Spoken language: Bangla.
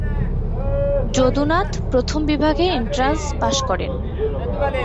যদুনাথ প্রথম বিভাগে এন্ট্রান্স পাশ করেন।